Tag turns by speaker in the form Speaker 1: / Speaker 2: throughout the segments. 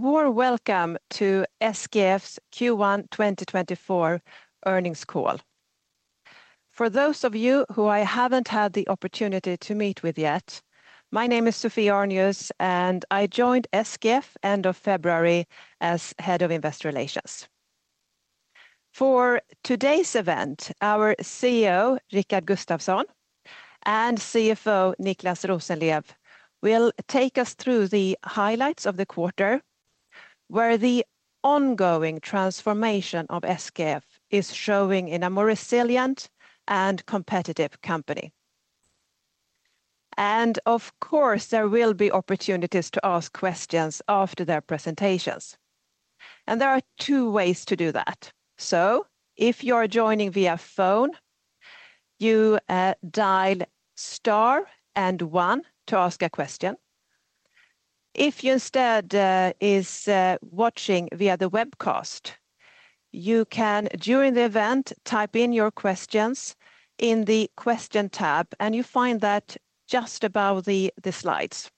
Speaker 1: Warm welcome to SKF's Q1 2024 earnings call. For those of you who I haven't had the opportunity to meet with yet, my name is Sophie Arnius, and I joined SKF end of February as Head of Investor Relations. For today's event, our CEO, Rickard Gustafson, and CFO, Niclas Rosenlew, will take us through the highlights of the quarter, where the ongoing transformation of SKF is showing in a more resilient and competitive company. Of course, there will be opportunities to ask questions after their presentations, and there are two ways to do that. So if you're joining via phone, you dial star and one to ask a question. If you instead are watching via the webcast, you can, during the event, type in your questions in the question tab, and you find that just above the slides.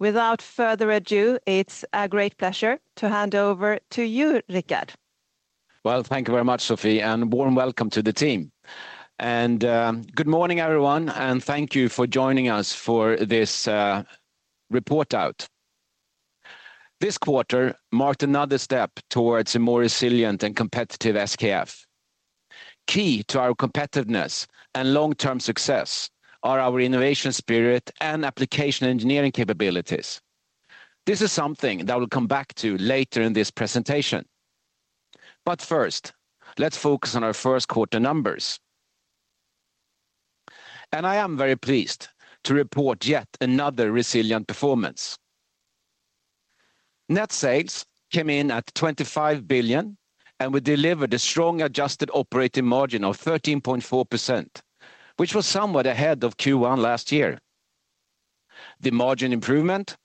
Speaker 1: Without further ado, it's a great pleasure to hand over to you, Rickard.
Speaker 2: Well, thank you very much, Sophie, and warm welcome to the team. Good morning, everyone, and thank you for joining us for this report out. This quarter marked another step towards a more resilient and competitive SKF. Key to our competitiveness and long-term success are our innovation spirit and application engineering capabilities. This is something that I will come back to later in this presentation. But first, let's focus on our first quarter numbers. I am very pleased to report yet another resilient performance. Net sales came in at 25 billion, and we delivered a strong adjusted operating margin of 13.4%, which was somewhat ahead of Q1 last year. The margin improvement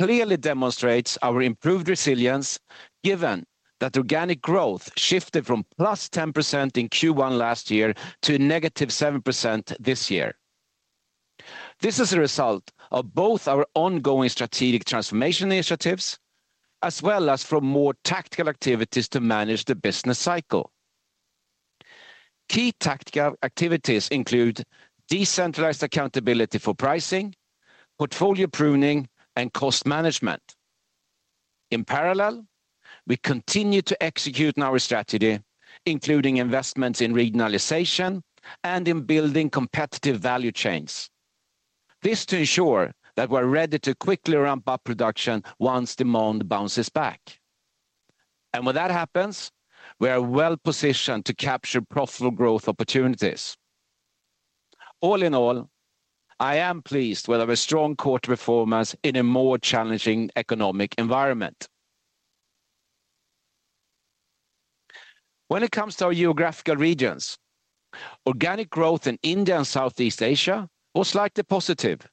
Speaker 2: clearly demonstrates our improved resilience, given that organic growth shifted from +10% in Q1 last year to -7% this year. This is a result of both our ongoing strategic transformation initiatives, as well as from more tactical activities to manage the business cycle. Key tactical activities include decentralized accountability for pricing, portfolio pruning, and cost management. In parallel, we continue to execute on our strategy, including investments in regionalization and in building competitive value chains. This to ensure that we're ready to quickly ramp up production once demand bounces back. And when that happens, we are well-positioned to capture profitable growth opportunities. All in all, I am pleased with our strong quarter performance in a more challenging economic environment. When it comes to our geographical regions, organic growth in India and Southeast Asia was slightly positive,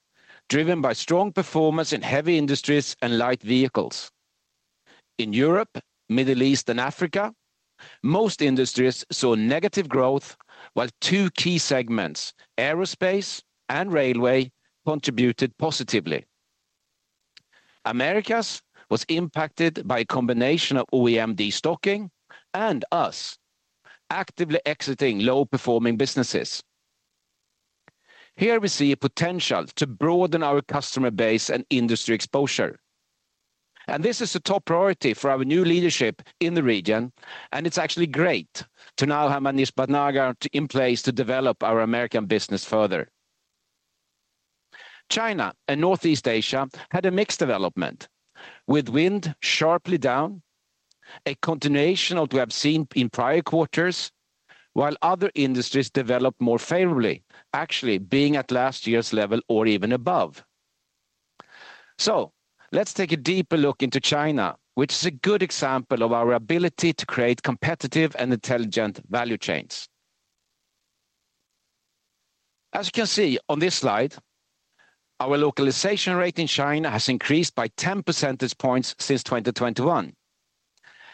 Speaker 2: driven by strong performance in heavy industries and light vehicles. In Europe, Middle East and Africa, most industries saw negative growth, while two key segments, Aerospace and Railway, contributed positively. Americas was impacted by a combination of OEM destocking and us actively exiting low-performing businesses. Here we see a potential to broaden our customer base and industry exposure, and this is a top priority for our new leadership in the region, and it's actually great to now have Manish Bhatnagar to, in place to develop our Americas business further. China and Northeast Asia had a mixed development, with wind sharply down, a continuation of what we have seen in prior quarters, while other industries developed more favorably, actually being at last year's level or even above. So let's take a deeper look into China, which is a good example of our ability to create competitive and intelligent value chains. As you can see on this slide, our localization rate in China has increased by 10 percentage points since 2021,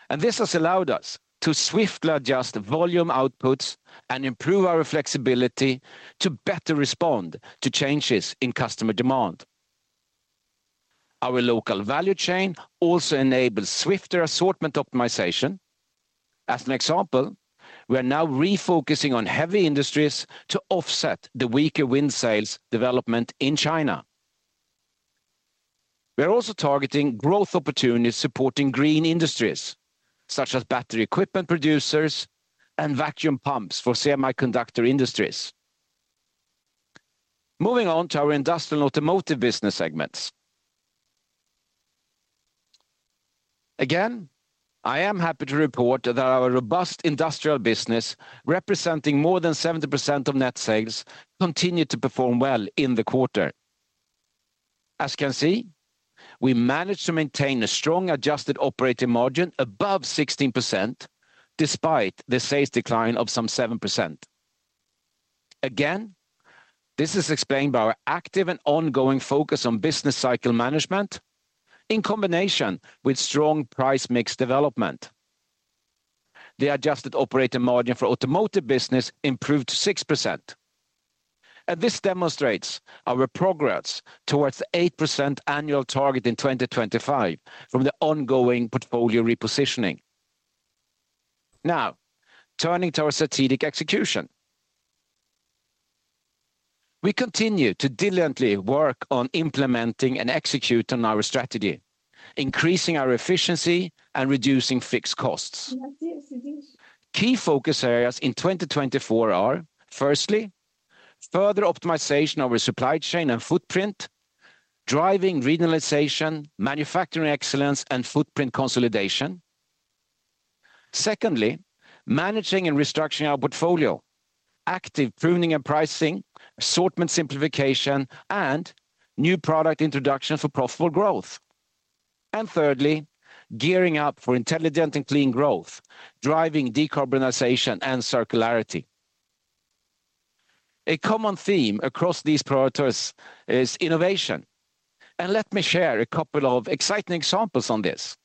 Speaker 2: and this has allowed us to swiftly adjust the volume outputs and improve our flexibility to better respond to changes in customer demand. Our local value chain also enables swifter assortment optimization. As an example, we are now refocusing on heavy industries to offset the weaker wind sales development in China. We are also targeting growth opportunities supporting green industries, such as battery equipment producers and vacuum pumps for semiconductor industries. Moving on to our industrial automotive business segments. Again, I am happy to report that our robust industrial business, representing more than 70% of net sales, continued to perform well in the quarter. As you can see, we managed to maintain a strong adjusted operating margin above 16%, despite the sales decline of some 7%. Again, this is explained by our active and ongoing focus on business cycle management in combination with strong price mix development. The adjusted operating margin for automotive business improved 6%. This demonstrates our progress towards the 8% annual target in 2025 from the ongoing portfolio repositioning. Now, turning to our strategic execution. We continue to diligently work on implementing and executing on our strategy, increasing our efficiency, and reducing fixed costs. Key focus areas in 2024 are, firstly, further optimization of our supply chain and footprint, driving regionalization, manufacturing excellence, and footprint consolidation. Secondly, managing and restructuring our portfolio, active pruning and pricing, assortment simplification, and new product introduction for profitable growth. And thirdly, gearing up for intelligent and clean growth, driving decarbonization and circularity. A common theme across these priorities is innovation, and let me share a couple of exciting examples on this.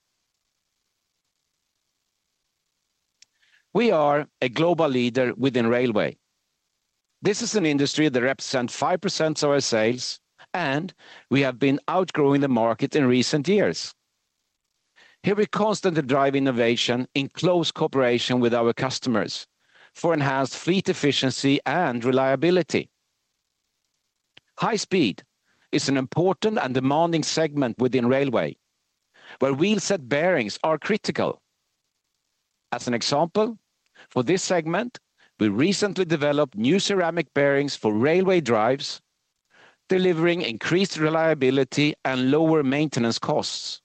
Speaker 2: We are a global leader within railway. This is an industry that represents 5% of our sales, and we have been outgrowing the market in recent years. Here, we constantly drive innovation in close cooperation with our customers for enhanced fleet efficiency and reliability. High speed is an important and demanding segment within railway, where wheel set bearings are critical. As an example, for this segment, we recently developed new ceramic bearings for railway drives, delivering increased reliability and lower maintenance costs.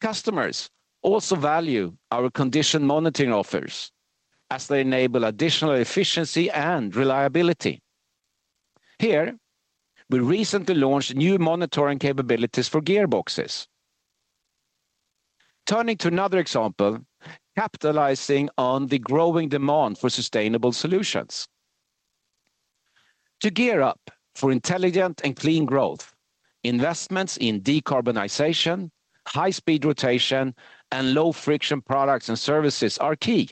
Speaker 2: Customers also value our condition monitoring offers as they enable additional efficiency and reliability. Here, we recently launched new monitoring capabilities for gearboxes. Turning to another example, capitalizing on the growing demand for sustainable solutions. To gear up for intelligent and clean growth, investments in decarbonization, high-speed rotation, and low-friction products and services are key.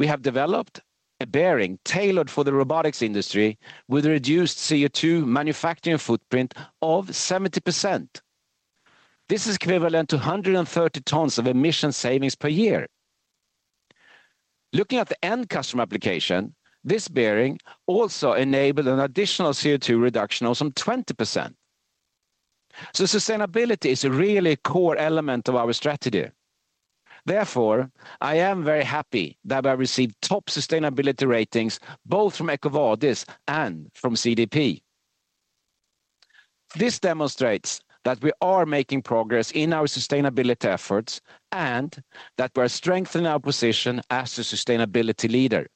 Speaker 2: We have developed a bearing tailored for the robotics industry with a reduced CO2 manufacturing footprint of 70%. This is equivalent to 130 tons of emission savings per year. Looking at the end customer application, this bearing also enabled an additional CO2 reduction of some 20%. So sustainability is a really core element of our strategy. Therefore, I am very happy that I received top sustainability ratings, both from EcoVadis and from CDP. This demonstrates that we are making progress in our sustainability efforts and that we are strengthening our position as a sustainability leader.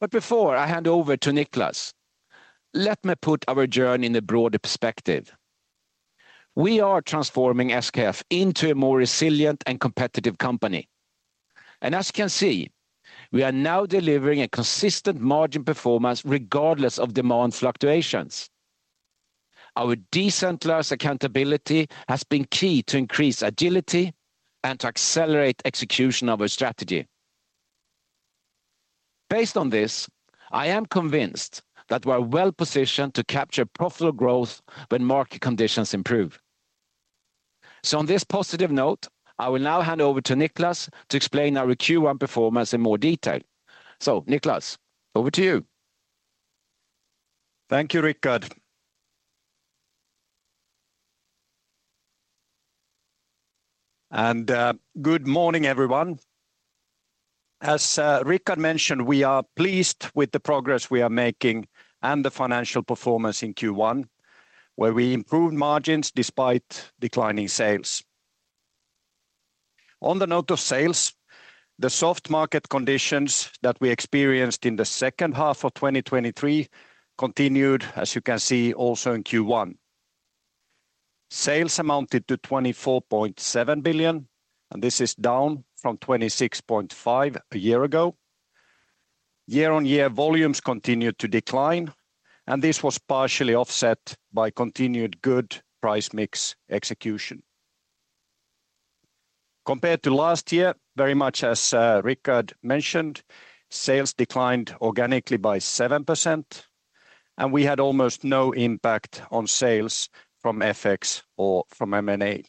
Speaker 2: But before I hand over to Niclas, let me put our journey in a broader perspective. We are transforming SKF into a more resilient and competitive company. As you can see, we are now delivering a consistent margin performance regardless of demand fluctuations. Our decentralized accountability has been key to increase agility and to accelerate execution of our strategy. Based on this, I am convinced that we are well positioned to capture profitable growth when market conditions improve. So on this positive note, I will now hand over to Niclas to explain our Q1 performance in more detail. So, Niclas, over to you.
Speaker 3: Thank you, Rickard. Good morning, everyone. As Rickard mentioned, we are pleased with the progress we are making and the financial performance in Q1, where we improved margins despite declining sales. On the note of sales, the soft market conditions that we experienced in the second half of 2023 continued, as you can see, also in Q1. Sales amounted to 24.7 billion, and this is down from 26.5 billion a year ago. Year-on-year volumes continued to decline, and this was partially offset by continued good price mix execution. Compared to last year, very much as Rickard mentioned, sales declined organically by 7%, and we had almost no impact on sales from FX or from M&A.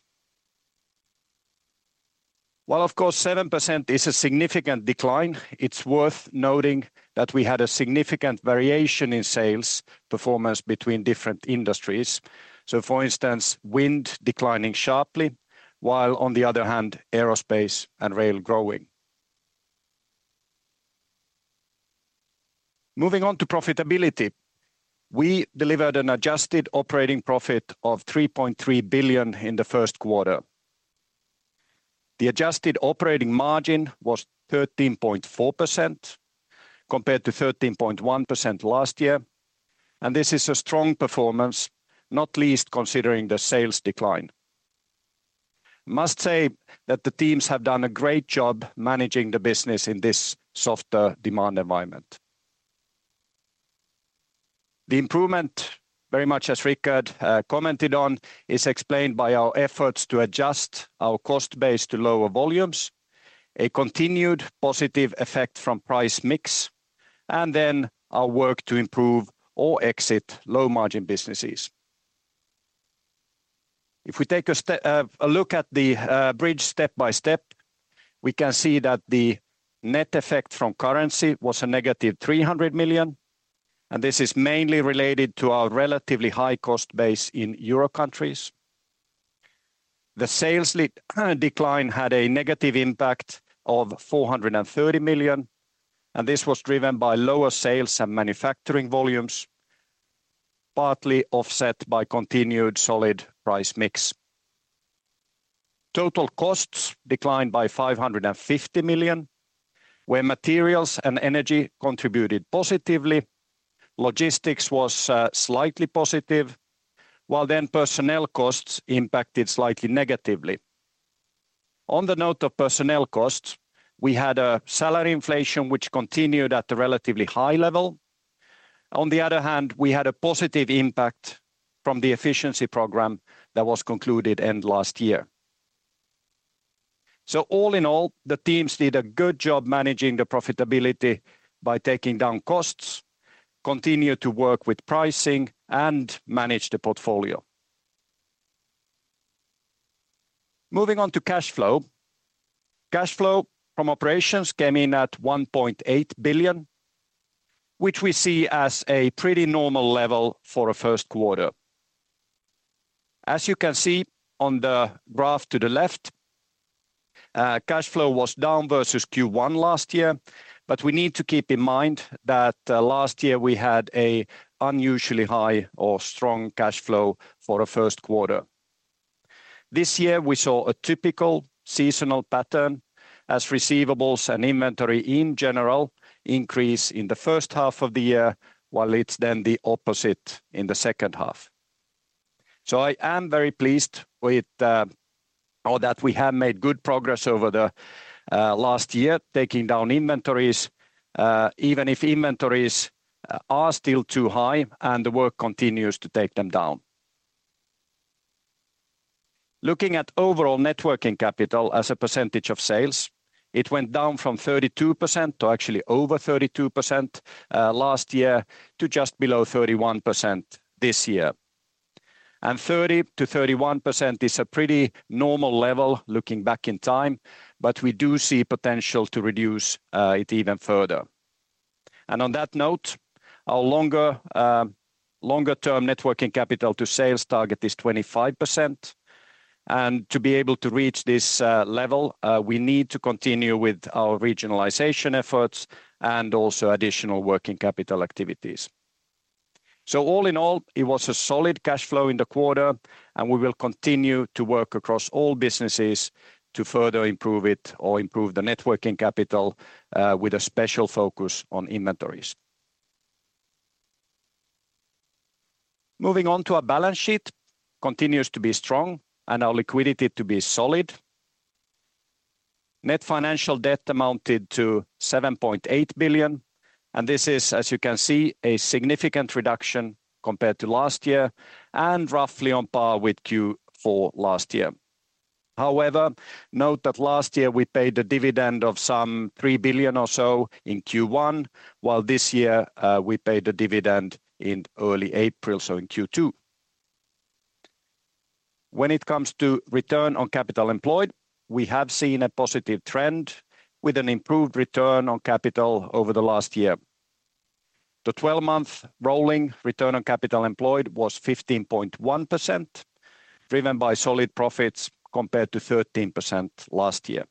Speaker 3: While, of course, 7% is a significant decline, it's worth noting that we had a significant variation in sales performance between different industries. So for instance, wind declining sharply, while on the other hand, aerospace and rail growing. Moving on to profitability, we delivered an adjusted operating profit of 3.3 billion in the first quarter. The adjusted operating margin was 13.4%, compared to 13.1% last year, and this is a strong performance, not least considering the sales decline. I must say that the teams have done a great job managing the business in this softer demand environment. The improvement, very much as Rickard commented on, is explained by our efforts to adjust our cost base to lower volumes, a continued positive effect from price mix, and then our work to improve or exit low-margin businesses. If we take a look at the bridge step by step, we can see that the net effect from currency was a negative 300 million, and this is mainly related to our relatively high cost base in Euro countries. The sales decline had a negative impact of 430 million, and this was driven by lower sales and manufacturing volumes, partly offset by continued solid price mix. Total costs declined by 550 million, where materials and energy contributed positively. Logistics was slightly positive, while then personnel costs impacted slightly negatively. On the note of personnel costs, we had a salary inflation, which continued at a relatively high level. On the other hand, we had a positive impact from the efficiency program that was concluded end last year. All in all, the teams did a good job managing the profitability by taking down costs, continue to work with pricing, and manage the portfolio. Moving on to cash flow. Cash flow from operations came in at 1.8 billion, which we see as a pretty normal level for a first quarter. As you can see on the graph to the left, cash flow was down versus Q1 last year, but we need to keep in mind that, last year we had a unusually high or strong cash flow for a first quarter. This year, we saw a typical seasonal pattern as receivables and inventory in general increase in the first half of the year, while it's then the opposite in the second half. So I am very pleased with, or that we have made good progress over the, last year, taking down inventories, even if inventories, are still too high, and the work continues to take them down. Looking at overall net working capital as a percentage of sales, it went down from 32% to actually over 32%, last year, to just below 31% this year. And 30%-31% is a pretty normal level, looking back in time, but we do see potential to reduce, it even further. And on that note, our longer, longer-term net working capital to sales target is 25%, and to be able to reach this, level, we need to continue with our regionalization efforts and also additional working capital activities. So all in all, it was a solid cash flow in the quarter, and we will continue to work across all businesses to further improve it or improve the net working capital, with a special focus on inventories. Moving on to our balance sheet, it continues to be strong and our liquidity to be solid. Net financial debt amounted to 7.8 billion, and this is, as you can see, a significant reduction compared to last year and roughly on par with Q4 last year. However, note that last year we paid a dividend of some 3 billion or so in Q1, while this year, we paid a dividend in early April, so in Q2. When it comes to return on capital employed, we have seen a positive trend with an improved return on capital over the last year. The 12-month rolling return on capital employed was 15.1%, driven by solid profits compared to 13% last year.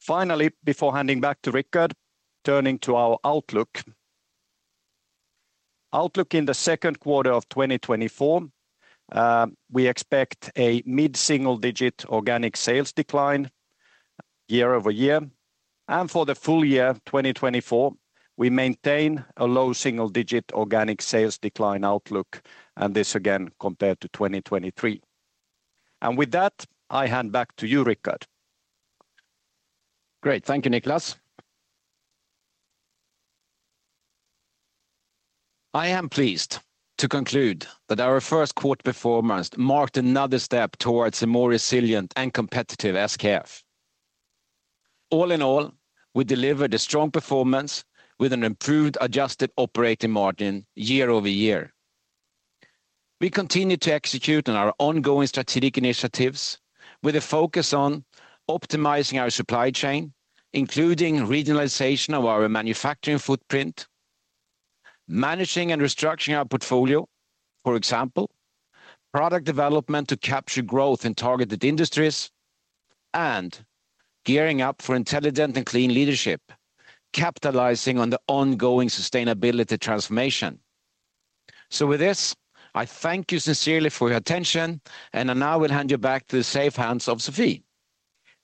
Speaker 3: Finally, before handing back to Rickard, turning to our outlook. Outlook in the second quarter of 2024, we expect a mid-single-digit organic sales decline year-over-year, and for the full year of 2024, we maintain a low single-digit organic sales decline outlook, and this again, compared to 2023. And with that, I hand back to you, Rickard.
Speaker 2: Great. Thank you, Niclas. I am pleased to conclude that our first quarter performance marked another step towards a more resilient and competitive SKF. All in all, we delivered a strong performance with an improved, adjusted operating margin year over year. We continue to execute on our ongoing strategic initiatives with a focus on optimizing our supply chain, including regionalization of our manufacturing footprint, managing and restructuring our portfolio, for example, product development to capture growth in targeted industries, and gearing up for intelligent and clean leadership, capitalizing on the ongoing sustainability transformation. So with this, I thank you sincerely for your attention, and I now will hand you back to the safe hands of Sophie.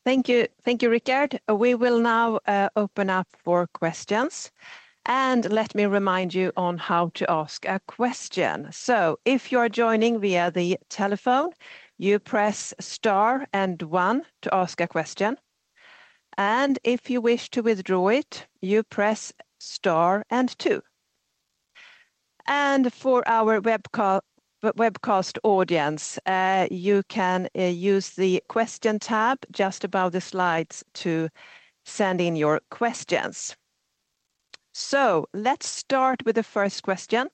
Speaker 1: Thank you. Thank you, Rickard. We will now open up for questions, and let me remind you on how to ask a question. So if you are joining via the telephone, you press star and one to ask a question, and if you wish to withdraw it, you press star and two. And for our webcast audience, you can use the question tab just above the slides to send in your questions. So let's start with the first question,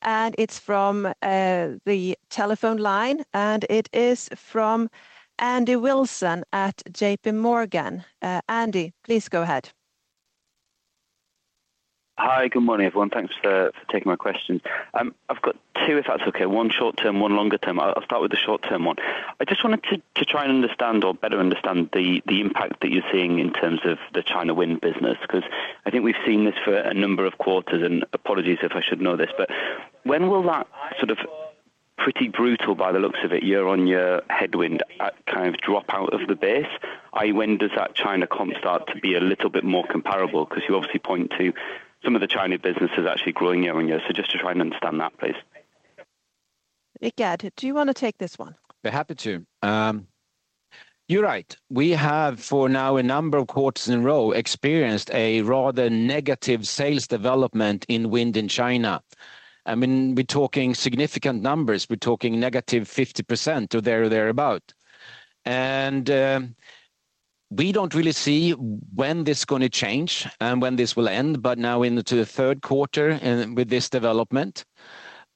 Speaker 1: and it's from the telephone line, and it is from Andy Wilson at JPMorgan. Andy, please go ahead.
Speaker 4: Hi, good morning, everyone. Thanks for, for taking my question. I've got two, if that's okay, one short term, one longer term. I'll start with the short-term one. I just wanted to try and understand or better understand the impact that you're seeing in terms of the China wind business, 'cause I think we've seen this for a number of quarters, and apologies if I should know this, but when will that sort of pretty brutal by the looks of it, year-on-year headwind, kind of drop out of the base? When does that China comp start to be a little bit more comparable? 'Cause you obviously point to some of the China businesses actually growing year on year. So just to try and understand that, please.
Speaker 1: Rickard, do you want to take this one?
Speaker 2: Be happy to. You're right, we have, for now, a number of quarters in a row, experienced a rather negative sales development in wind in China. I mean, we're talking significant numbers. We're talking negative 50% or thereabouts. And we don't really see when this is gonna change and when this will end, but now into the third quarter and with this development.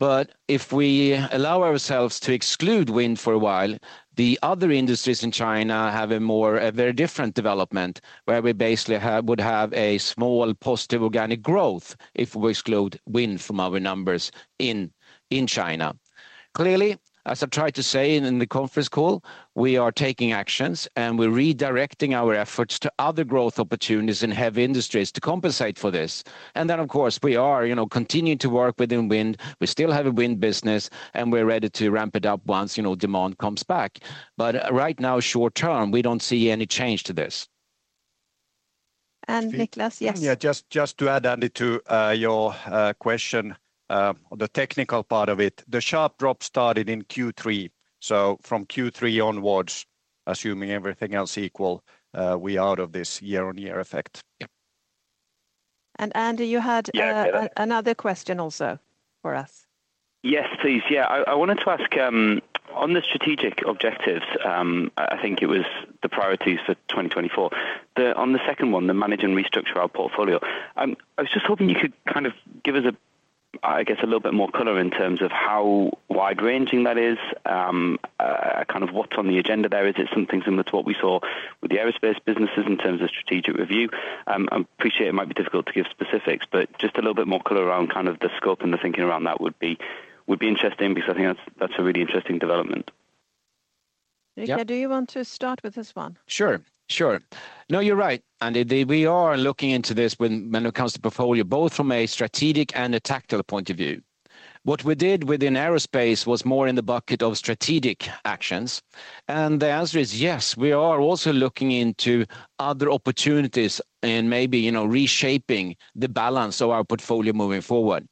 Speaker 2: But if we allow ourselves to exclude wind for a while, the other industries in China have a more, a very different development, where we basically have would have a small, positive organic growth if we exclude wind from our numbers in, in China. Clearly, as I've tried to say in the conference call, we are taking actions, and we're redirecting our efforts to other growth opportunities in heavy industries to compensate for this. And then, of course, we are, you know, continuing to work within wind. We still have a wind business, and we're ready to ramp it up once, you know, demand comes back. But right now, short term, we don't see any change to this.
Speaker 1: And Niclas, yes?
Speaker 3: Yeah, just to add, Andy, to your question, the technical part of it, the sharp drop started in Q3, so from Q3 onwards, assuming everything else equal, we out of this year-on-year effect.
Speaker 2: Yep.
Speaker 1: Andy, you had-
Speaker 4: Yeah.
Speaker 1: Another question also for us.
Speaker 4: Yes, please. Yeah, I, I wanted to ask on the strategic objectives. I, I think it was the priorities for 2024. On the second one, the manage and restructure our portfolio, I was just hoping you could kind of give us a, I guess, a little bit more color in terms of how wide-ranging that is. Kind of what's on the agenda there? Is it something similar to what we saw with the aerospace businesses in terms of strategic review? I appreciate it might be difficult to give specifics, but just a little bit more color around kind of the scope and the thinking around that would be, would be interesting because I think that's, that's a really interesting development.
Speaker 2: Yeah.
Speaker 1: Rickard, do you want to start with this one?
Speaker 2: Sure, sure. No, you're right, Andy. We are looking into this when it comes to portfolio, both from a strategic and a tactical point of view. What we did within aerospace was more in the bucket of strategic actions, and the answer is yes. We are also looking into other opportunities and maybe, you know, reshaping the balance of our portfolio moving forward.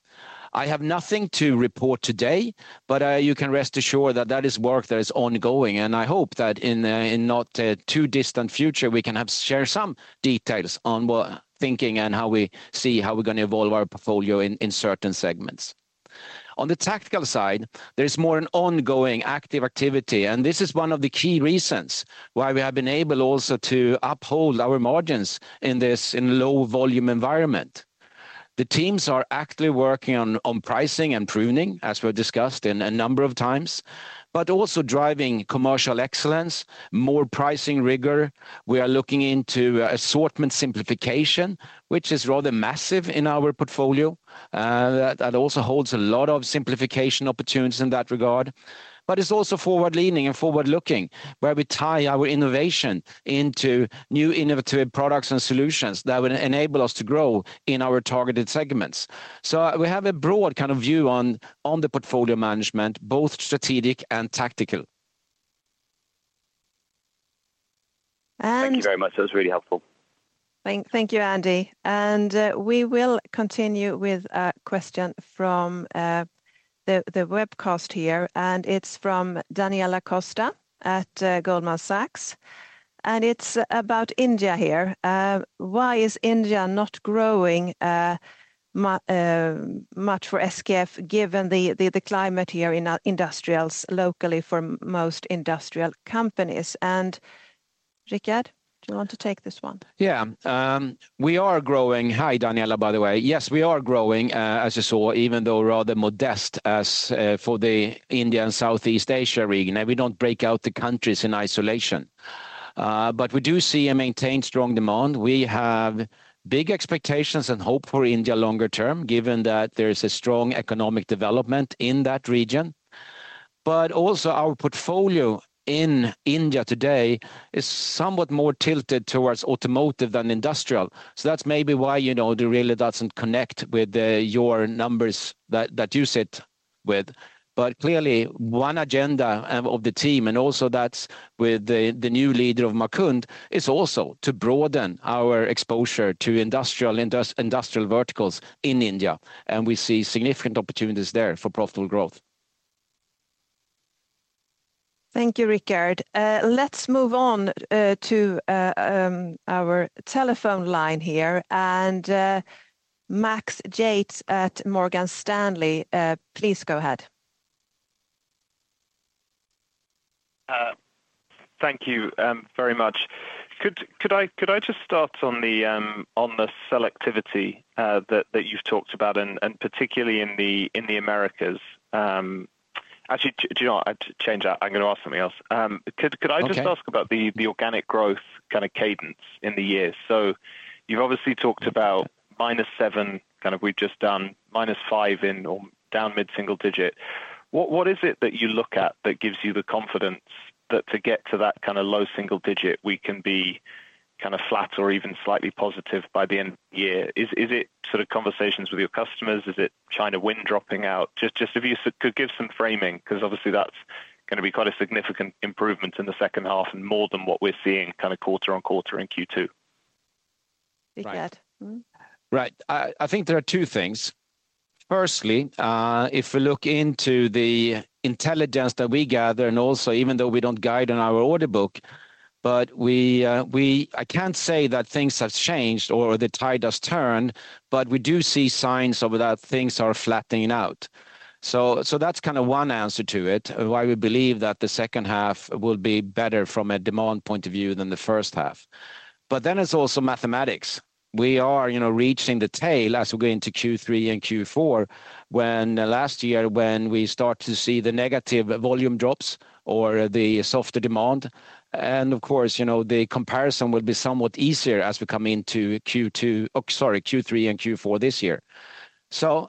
Speaker 2: I have nothing to report today, but you can rest assured that that is work that is ongoing, and I hope that in a not too distant future, we can share some details on what thinking and how we see how we're gonna evolve our portfolio in certain segments. On the tactical side, there is more an ongoing active activity, and this is one of the key reasons why we have been able also to uphold our margins in this, in low volume environment. The teams are actively working on pricing and pruning, as we've discussed in a number of times, but also driving commercial excellence, more pricing rigor. We are looking into assortment simplification, which is rather massive in our portfolio. That also holds a lot of simplification opportunities in that regard. But it's also forward-leaning and forward-looking, where we tie our innovation into new innovative products and solutions that would enable us to grow in our targeted segments. So we have a broad kind of view on the portfolio management, both strategic and tactical.
Speaker 1: And-
Speaker 4: Thank you very much. That was really helpful.
Speaker 1: Thank you, Andy. We will continue with a question from the webcast here, and it's from Daniela Costa at Goldman Sachs, and it's about India here. Why is India not growing much for SKF, given the climate here in industrials, locally for most industrial companies? And Rickard, do you want to take this one?
Speaker 2: Yeah, we are growing. Hi, Daniela, by the way. Yes, we are growing, as you saw, even though rather modest as for the India and Southeast Asia region, and we don't break out the countries in isolation. But we do see and maintain strong demand. We have big expectations and hope for India longer term, given that there is a strong economic development in that region. But also our portfolio in India today is somewhat more tilted towards automotive than industrial. So that's maybe why, you know, it really doesn't connect with your numbers that you sit with. But clearly, one agenda of the team, and also that's with the new leader, Mukund, is also to broaden our exposure to industrial verticals in India, and we see significant opportunities there for profitable growth.
Speaker 1: Thank you, Rickard. Let's move on to our telephone line here, and Max Yates at Morgan Stanley, please go ahead.
Speaker 5: Thank you very much. Could I just start on the selectivity that you've talked about and particularly in the Americas? Actually, do you know what? I'll change that. I'm gonna ask something else. Could I just-
Speaker 3: Okay.
Speaker 5: Ask about the organic growth kind of cadence in the years? So you've obviously talked about -7%, kind of we've just done -5% or down mid-single-digit. What is it that you look at that gives you the confidence that to get to that kind of low single-digit, we can be kind of flat or even slightly positive by the end of the year? Is it sort of conversations with your customers? Is it China wind dropping out? Just if you could give some framing, because obviously that's gonna be quite a significant improvement in the second half and more than what we're seeing kind of quarter-on-quarter in Q2.
Speaker 1: Rickard.
Speaker 3: Right. I think there are two things. Firstly, if we look into the intelligence that we gather, and also even though we don't guide on our order book, but we, I can't say that things have changed or the tide has turned, but we do see signs of that things are flattening out. So that's kind of one answer to it, why we believe that the second half will be better from a demand point of view than the first half. But then it's also mathematics. We are, you know, reaching the tail as we go into Q3 and Q4, when last year, when we start to see the negative volume drops or the softer demand. And of course, you know, the comparison will be somewhat easier as we come into Q2. Oh, sorry, Q3 and Q4 this year.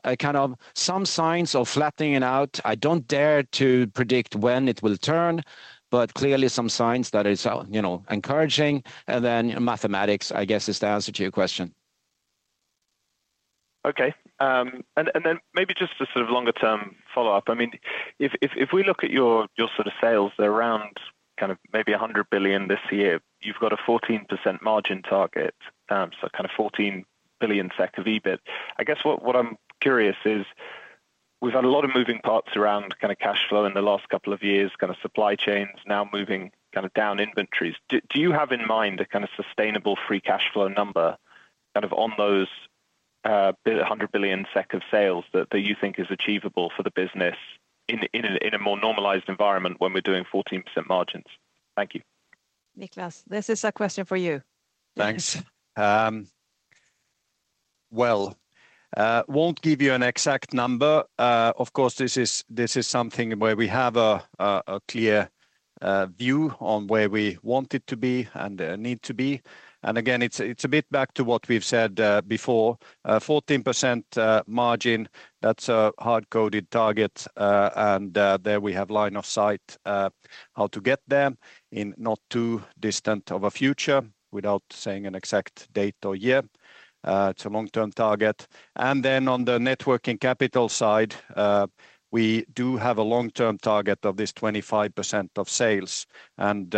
Speaker 3: I kind of see some signs of flattening it out. I don't dare to predict when it will turn, but clearly some signs that it's, you know, encouraging, and then mathematics, I guess, is the answer to your question.
Speaker 5: Okay. And then maybe just a sort of longer-term follow-up. I mean, if we look at your sort of sales, they're around kind of maybe 100 billion this year. You've got a 14% margin target, so kind of 14 billion SEK of EBIT. I guess what I'm curious is, we've had a lot of moving parts around kind of cash flow in the last couple of years, kind of supply chains now moving kind of down inventories. Do you have in mind a kind of sustainable free cash flow number, kind of on those 100 billion SEK of sales that you think is achievable for the business in a more normalized environment when we're doing 14% margins? Thank you.
Speaker 1: Niclas, this is a question for you.
Speaker 3: Thanks. Well, won't give you an exact number. Of course, this is something where we have a clear view on where we want it to be and need to be. And again, it's a bit back to what we've said before. 14% margin, that's a hard-coded target. And there we have line of sight how to get there in not too distant of a future, without saying an exact date or year. It's a long-term target. And then on the net working capital side, we do have a long-term target of this 25% of sales. And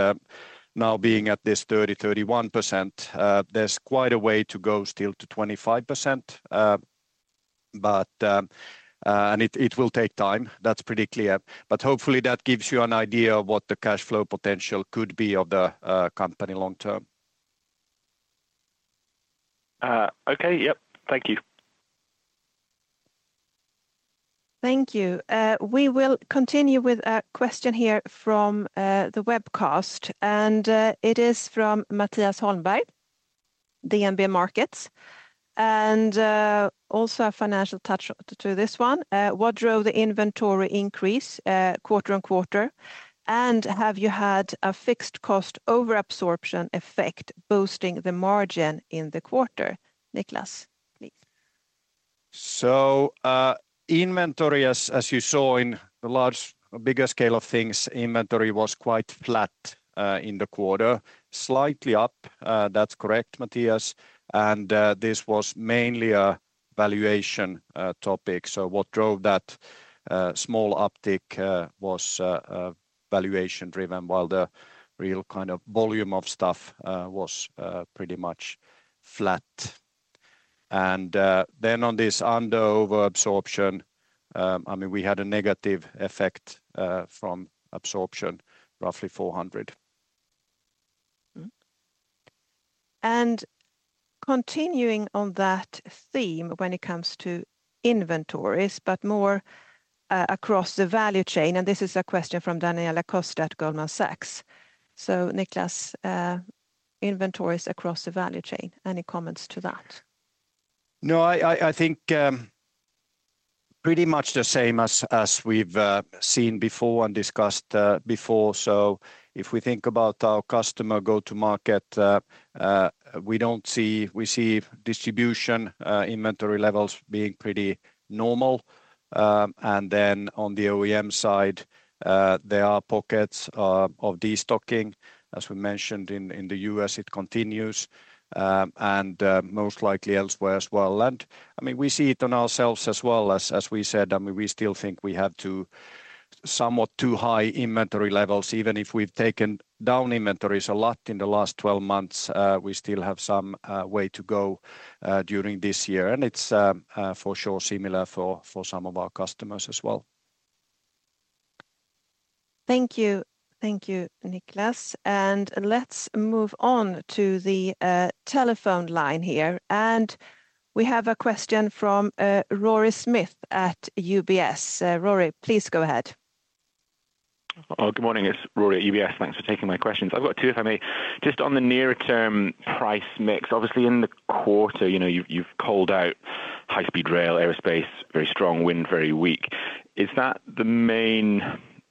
Speaker 3: now being at this 30%-31%, there's quite a way to go still to 25%. But it will take time. That's pretty clear. But hopefully that gives you an idea of what the cash flow potential could be of the company long term.
Speaker 5: Okay. Yep. Thank you.
Speaker 1: Thank you. We will continue with a question here from the webcast, and it is from Mattias Holmberg, DNB Markets, and also a financial touch to this one. What drove the inventory increase quarter-on-quarter? And have you had a fixed cost over-absorption effect boosting the margin in the quarter? Niclas, please.
Speaker 3: So, inventory, as you saw in the large, bigger scale of things, inventory was quite flat in the quarter. Slightly up, that's correct, Mattias, and this was mainly a valuation topic. So what drove that small uptick was valuation-driven, while the real kind of volume of stuff was pretty much flat. And then on this under-absorption, I mean, we had a negative effect from absorption, roughly SEK 400.
Speaker 1: Mm-hmm. And continuing on that theme when it comes to inventories, but more across the value chain, and this is a question from Daniela Costa at Goldman Sachs. So Niclas, inventories across the value chain, any comments to that?
Speaker 3: No, I think pretty much the same as we've seen before and discussed before. So if we think about our customer go-to-market, we see distribution inventory levels being pretty normal. And then on the OEM side, there are pockets of destocking, as we mentioned in the U.S., it continues and most likely elsewhere as well. And I mean, we see it on ourselves as well as, as we said, I mean, we still think we have somewhat too high inventory levels, even if we've taken down inventories a lot in the last 12 months, we still have some way to go during this year. And it's for sure similar for some of our customers as well.
Speaker 1: Thank you. Thank you, Niclas, and let's move on to the telephone line here. We have a question from Rory Smith at UBS. Rory, please go ahead.
Speaker 6: Oh, good morning, it's Rory at UBS. Thanks for taking my questions. I've got two, if I may. Just on the near-term price mix, obviously, in the quarter, you know, you've called out high-speed rail, aerospace, very strong, wind, very weak. Is that the main—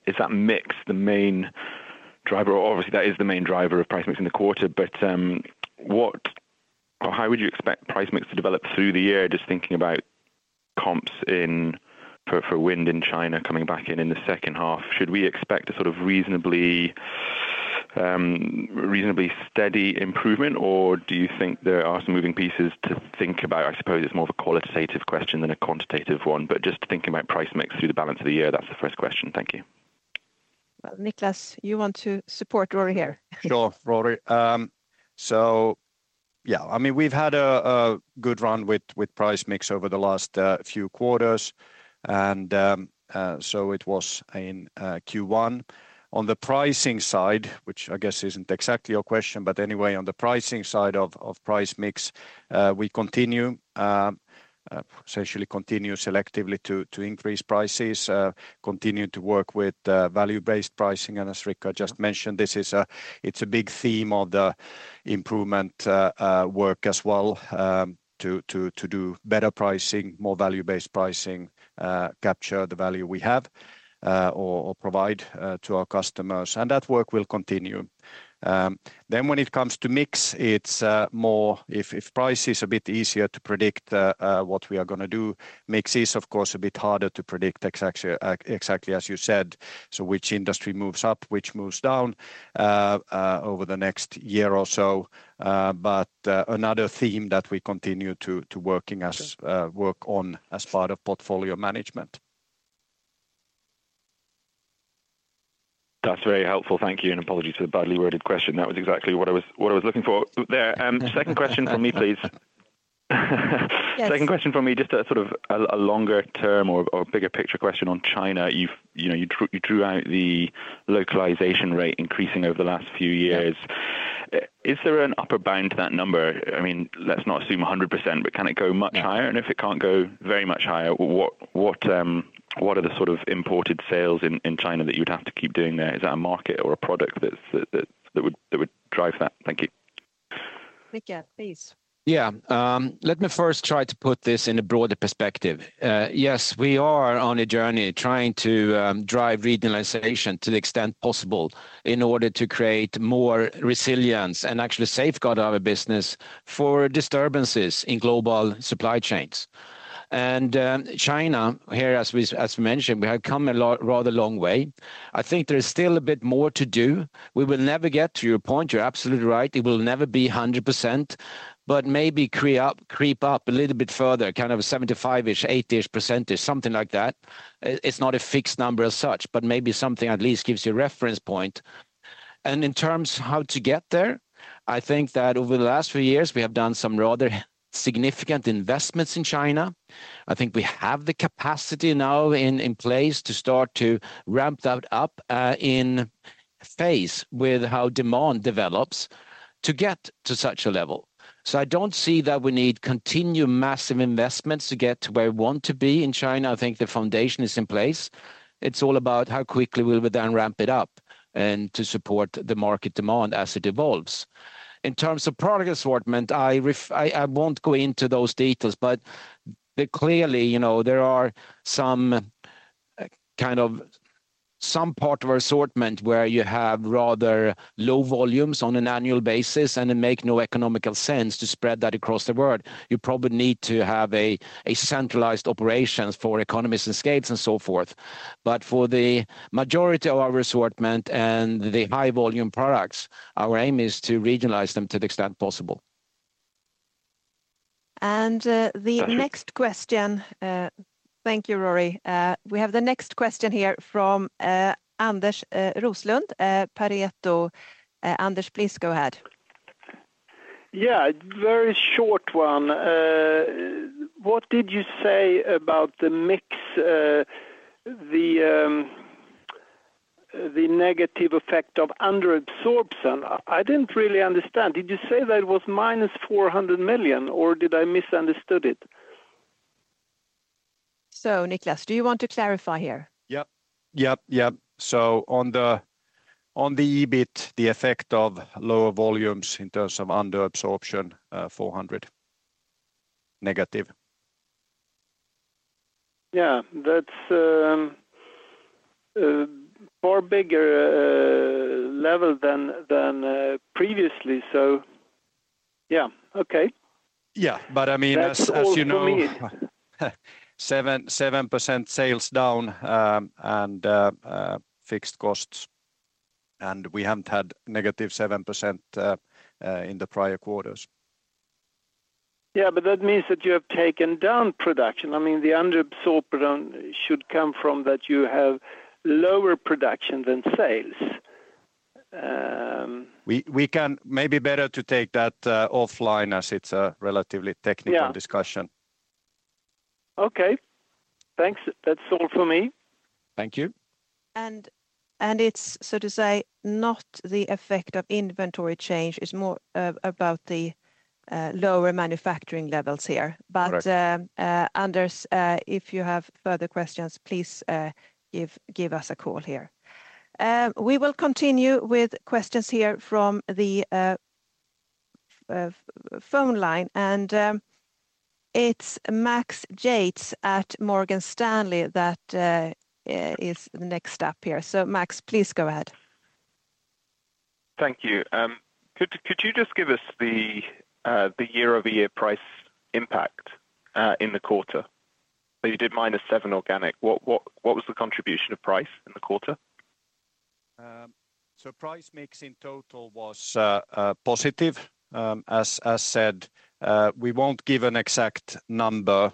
Speaker 6: Is that mix the main driver? Obviously, that is the main driver of price mix in the quarter, but what, or how would you expect price mix to develop through the year? Just thinking about comps in, for, for wind in China coming back in, in the second half. Should we expect a sort of reasonably steady improvement, or do you think there are some moving pieces to think about? I suppose it's more of a qualitative question than a quantitative one, but just thinking about price mix through the balance of the year. That's the first question. Thank you.
Speaker 1: Well, Niclas, you want to support Rory here?
Speaker 3: Sure, Rory. So yeah, I mean, we've had a good run with price mix over the last few quarters, and so it was in Q1. On the pricing side, which I guess isn't exactly your question, but anyway, on the pricing side of price mix, we continue essentially to selectively increase prices, continue to work with value-based pricing. And as Rickard just mentioned, this is a—it's a big theme of the improvement work as well, to do better pricing, more value-based pricing, capture the value we have or provide to our customers, and that work will continue. Then when it comes to mix, it's more if price is a bit easier to predict what we are going to do, mix is, of course, a bit harder to predict exactly, exactly as you said. So which industry moves up, which moves down over the next year or so, but another theme that we continue to work on as part of portfolio management.
Speaker 6: That's very helpful. Thank you, and apologies for the badly worded question. That was exactly what I was, what I was looking for there.
Speaker 1: Yes.
Speaker 6: Second question for me, just a sort of a longer term or bigger picture question on China. You've, you know, you drew out the localization rate increasing over the last few years. Is there an upper bound to that number? I mean, let's not assume 100%, but can it go much higher? Yeah. If it can't go very much higher, what are the sort of imported sales in China that you'd have to keep doing there? Is that a market or a product that would drive that? Thank you.
Speaker 1: Rickard, please.
Speaker 2: Yeah, let me first try to put this in a broader perspective. Yes, we are on a journey trying to drive regionalization to the extent possible in order to create more resilience and actually safeguard our business for disturbances in global supply chains. And China, here, as we, as mentioned, we have come a lot, rather long way. I think there is still a bit more to do. We will never get to your point. You're absolutely right. It will never be 100%, but maybe creep up, creep up a little bit further, kind of 75%-ish, 80%-ish percentage, something like that. It's not a fixed number as such, but maybe something at least gives you a reference point. And in terms of how to get there, I think that over the last few years, we have done some rather significant investments in China. I think we have the capacity now in place to start to ramp that up in phase with how demand develops to get to such a level. So I don't see that we need continued massive investments to get to where we want to be in China. I think the foundation is in place. It's all about how quickly we'll then ramp it up and to support the market demand as it evolves. In terms of product assortment, I won't go into those details, but clearly, you know, there are some kind of some part of our assortment where you have rather low volumes on an annual basis, and it make no economic sense to spread that across the board. You probably need to have a centralized operations for economies of scale and so forth. But for the majority of our assortment and the high volume products, our aim is to regionalize them to the extent possible.
Speaker 1: The next-
Speaker 6: Thank you.
Speaker 1: Question, Thank you, Rory. We have the next question here from Anders Roslund, Pareto. Anders, please go ahead.
Speaker 7: Yeah, a very short one. What did you say about the mix, the negative effect of under-absorption? I, I didn't really understand. Did you say that it was -400 million, or did I misunderstood it?
Speaker 1: So, Niclas, do you want to clarify here?
Speaker 3: Yep. Yep, yep. So on the EBIT, the effect of lower volumes in terms of under-absorption, -400.
Speaker 7: Yeah, that's more bigger level than previously, so yeah. Okay.
Speaker 3: Yeah, but I mean,
Speaker 7: That's all for me.
Speaker 3: As you know, 7% sales down, and fixed costs, and we haven't had -7% in the prior quarters.
Speaker 7: Yeah, but that means that you have taken down production. I mean, the under-absorption should come from that you have lower production than sales.
Speaker 3: We can maybe better to take that offline, as it's a relatively technical-
Speaker 7: Yeah....
Speaker 3: discussion.
Speaker 7: Okay, thanks. That's all for me.
Speaker 3: Thank you.
Speaker 1: It's so to say, not the effect of inventory change. It's more about the lower manufacturing levels here.
Speaker 3: Correct.
Speaker 1: Anders, if you have further questions, please give us a call here. We will continue with questions here from the phone line, and it's Max Yates at Morgan Stanley that is the next step here. So Max, please go ahead.
Speaker 5: Thank you. Could you just give us the year-over-year price impact in the quarter? So you did -7 organic. What was the contribution of price in the quarter?
Speaker 3: So price mix in total was positive. As said, we won't give an exact number.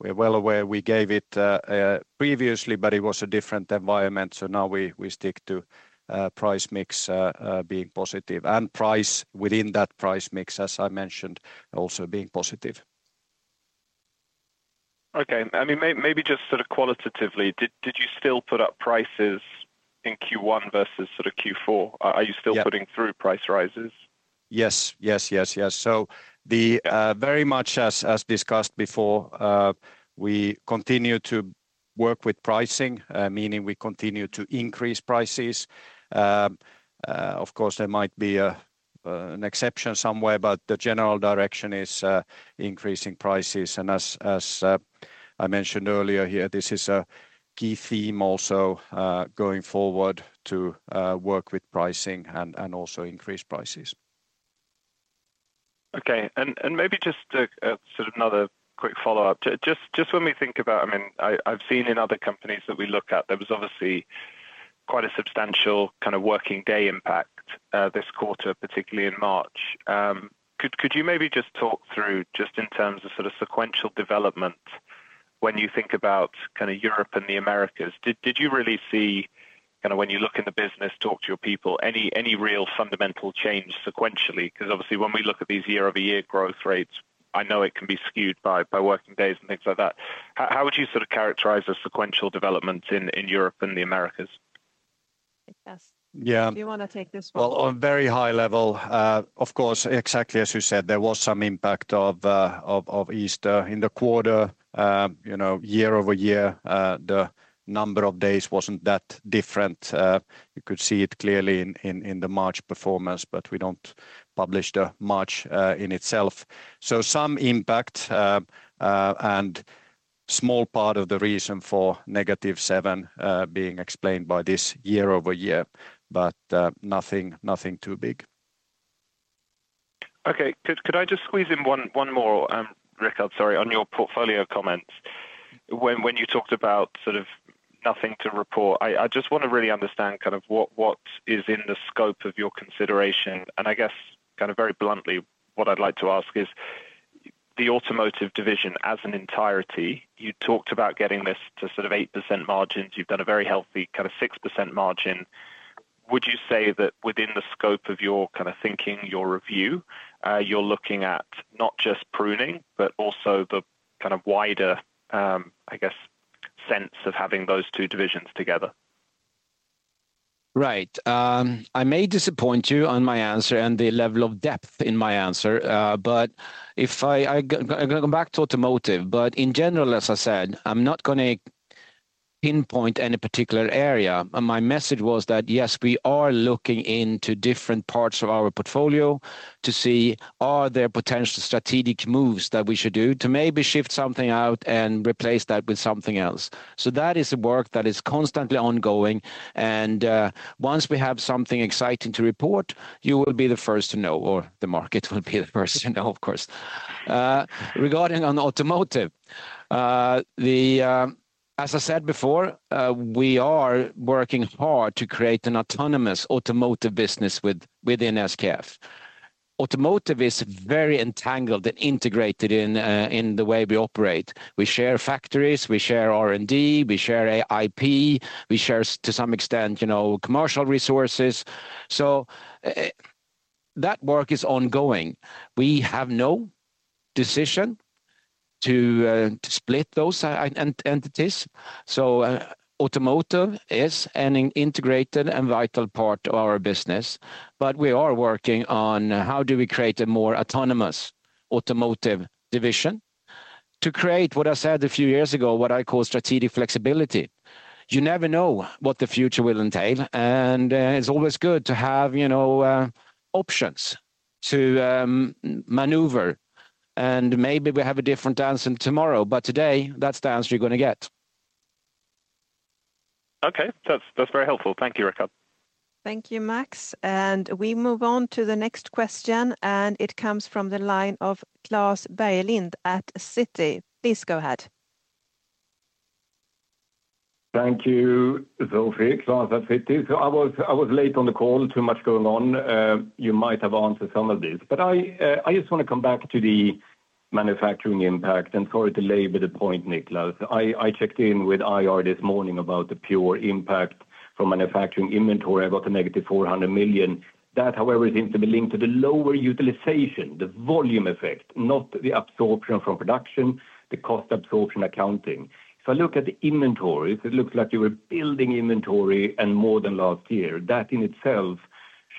Speaker 3: We're well aware we gave it previously, but it was a different environment, so now we stick to price mix being positive, and price within that price mix, as I mentioned, also being positive.
Speaker 5: Okay. I mean, maybe just sort of qualitatively, did you still put up prices in Q1 versus sort of Q4?
Speaker 3: Yeah.
Speaker 5: Are you still putting through price rises?
Speaker 3: Yes. Yes, yes, yes. So the very much as discussed before, we continue to work with pricing, meaning we continue to increase prices. Of course, there might be a an exception somewhere, but the general direction is increasing prices. And as I mentioned earlier here, this is a key theme also going forward to work with pricing and also increase prices.
Speaker 5: Okay. Maybe just a sort of another quick follow-up. Just, just when we think about... I mean, I've seen in other companies that we look at, there was obviously quite a substantial kind of working day impact, this quarter, particularly in March. Could you maybe just talk through just in terms of sort of sequential development when you think about kind of Europe and the Americas? Did you really see, kind of when you look in the business, talk to your people, any real fundamental change sequentially? Because obviously when we look at these year-over-year growth rates, I know it can be skewed by working days and things like that. How would you sort of characterize the sequential development in Europe and the Americas?
Speaker 1: Yes.
Speaker 3: Yeah.
Speaker 1: Do you wanna take this one?
Speaker 3: Well, on a very high level, of course, exactly as you said, there was some impact of Easter in the quarter. You know, year-over-year, the number of days wasn't that different. You could see it clearly in the March performance, but we don't publish the March in itself. So some impact, and a small part of the reason for -7 being explained by this year-over-year, but nothing, nothing too big.
Speaker 5: Okay. Could I just squeeze in one more, Rickard, sorry, on your portfolio comments? When you talked about sort of nothing to report, I just wanna really understand kind of what is in the scope of your consideration. And I guess, kind of very bluntly, what I'd like to ask is: the automotive division as an entirety, you talked about getting this to sort of 8% margins. You've done a very healthy kind of 6% margin. Would you say that within the scope of your kind of thinking, your review, you're looking at not just pruning, but also the kind of wider, I guess, sense of having those two divisions together?
Speaker 2: Right. I may disappoint you on my answer and the level of depth in my answer, but if I'm gonna go back to automotive, but in general, as I said, I'm not gonna pinpoint any particular area. And my message was that, yes, we are looking into different parts of our portfolio to see are there potential strategic moves that we should do to maybe shift something out and replace that with something else. So that is a work that is constantly ongoing, and once we have something exciting to report, you will be the first to know, or the market will be the first to know, of course. Regarding on automotive, as I said before, we are working hard to create an autonomous automotive business within SKF. Automotive is very entangled and integrated in the way we operate. We share factories, we share R&D, we share IP, we share, to some extent, you know, commercial resources. So, that work is ongoing. We have no decision to split those entities, so automotive is an integrated and vital part of our business, but we are working on how do we create a more autonomous automotive division, to create, what I said a few years ago, what I call strategic flexibility. You never know what the future will entail, and, it's always good to have, you know, options to maneuver. And maybe we have a different answer tomorrow, but today, that's the answer you're gonna get.
Speaker 5: Okay. That's, that's very helpful. Thank you, Rickard.
Speaker 1: Thank you, Max. We move on to the next question, and it comes from the line of Klas Bergelind at Citi. Please go ahead.
Speaker 8: Thank you, Sophie. Klas at Citi. So I was late on the call, too much going on. You might have answered some of this, but I just wanna come back to the manufacturing impact, and sorry to labor the point, Niclas. I checked in with IR this morning about the pure impact from manufacturing inventory. I got a negative 400 million. That, however, seems to be linked to the lower utilization, the volume effect, not the absorption from production, the cost absorption accounting. If I look at the inventory, it looks like you were building inventory and more than last year. That in itself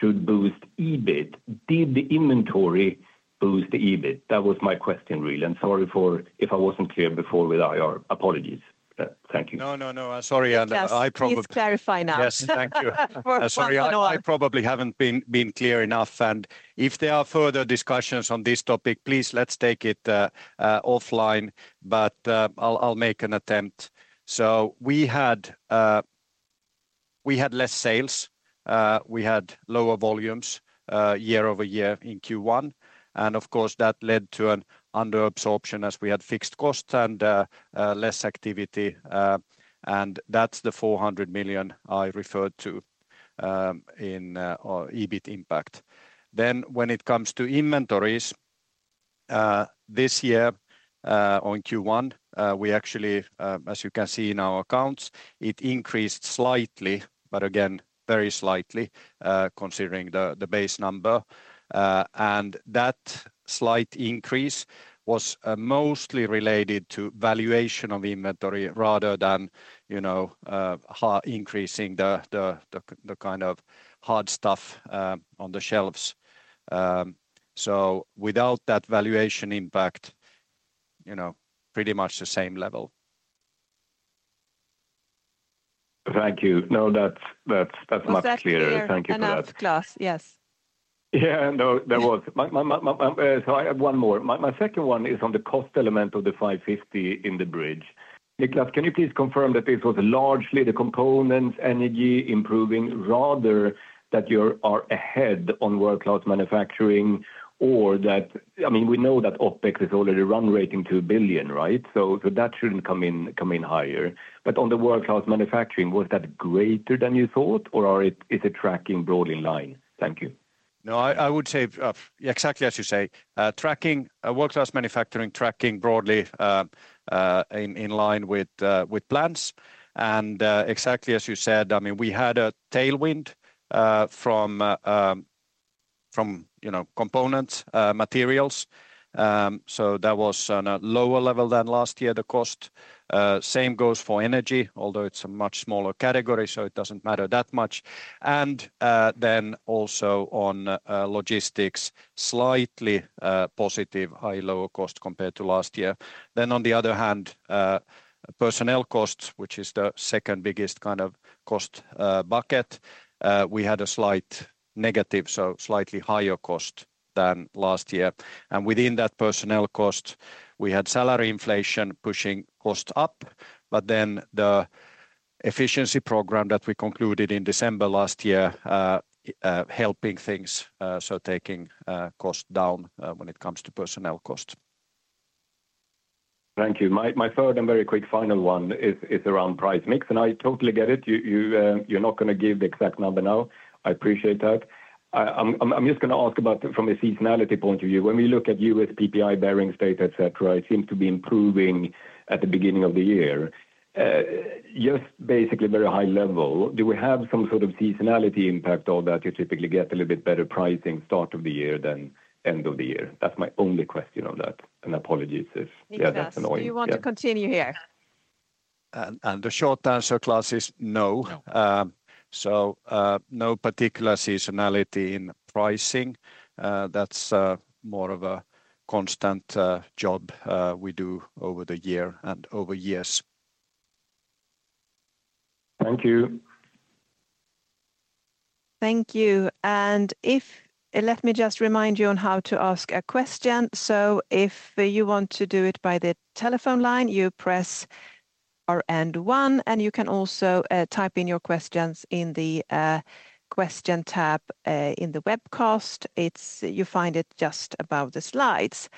Speaker 8: should boost EBIT. Did the inventory boost the EBIT? That was my question, really, and sorry for if I wasn't clear before with IR. Apologies. Thank you.
Speaker 3: No, no, no, sorry, and I probably-
Speaker 1: Yes, please clarify now.
Speaker 3: Yes, thank you.
Speaker 1: For class.
Speaker 3: Sorry, I probably haven't been clear enough, and if there are further discussions on this topic, please let's take it offline, but I'll make an attempt. So we had less sales. We had lower volumes year-over-year in Q1, and of course, that led to an under-absorption as we had fixed costs and less activity, and that's the 400 million I referred to in our EBIT impact. Then, when it comes to inventories, this year on Q1, we actually as you can see in our accounts, it increased slightly, but again, very slightly, considering the base number. And that slight increase was mostly related to valuation of inventory rather than, you know, increasing the kind of hard stuff on the shelves. So without that valuation impact, you know, pretty much the same level.
Speaker 8: Thank you. No, that's much clearer.
Speaker 1: Was that clear-
Speaker 8: Thank you for that....
Speaker 1: enough, Klas? Yes.
Speaker 8: Yeah, no, there was. So I have one more. My second one is on the cost element of the 550 in the bridge. Niclas, can you please confirm that this was largely the components, energy improving, rather than you're ahead on World Class Manufacturing? Or that, I mean, we know that OpEx is already run-rate 2 billion, right? So that shouldn't come in higher. But on the World Class Manufacturing, was that greater than you thought, or is it tracking broadly in line? Thank you.
Speaker 3: No, I would say exactly as you say, tracking World Class Manufacturing tracking broadly in line with plans. And exactly as you said, I mean, we had a tailwind from, you know, components materials. So that was on a lower level than last year, the cost. Same goes for energy, although it's a much smaller category, so it doesn't matter that much. And then also on logistics, slightly positive high lower cost compared to last year. Then on the other hand, personnel costs, which is the second biggest kind of cost bucket, we had a slight negative, so slightly higher cost than last year. And within that personnel cost, we had salary inflation pushing costs up, but then the efficiency program that we concluded in December last year helping things, so taking costs down when it comes to personnel cost.
Speaker 8: Thank you. My third and very quick final one is around price mix, and I totally get it. You're not going to give the exact number now. I appreciate that. I'm just going to ask about from a seasonality point of view, when we look at you with PPI, bearings, data, et cetera, it seems to be improving at the beginning of the year. Just basically very high level, do we have some sort of seasonality impact on that? You typically get a little bit better pricing start of the year than end of the year. That's my only question on that, and apologies if-
Speaker 1: Niclas-
Speaker 8: Yeah, that's annoying. Yeah
Speaker 1: Do you want to continue here?
Speaker 3: The short answer, Klas, is no.
Speaker 8: No.
Speaker 3: No particular seasonality in pricing. That's more of a constant job we do over the year and over years.
Speaker 8: Thank you.
Speaker 1: Thank you. Let me just remind you on how to ask a question. So if you want to do it by the telephone line, you press star one, and you can also type in your questions in the question tab in the webcast. You find it just above the slides.